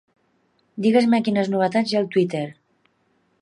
Digues-me quines novetats hi ha al Twitter.